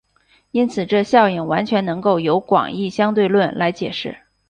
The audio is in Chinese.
因此这效应完全能够由广义相对论来解释。